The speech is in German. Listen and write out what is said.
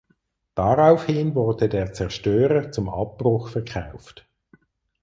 Daraufhin wurde der Zerstörer zum Abbruch verkauft.